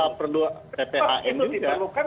apa perlu bphm juga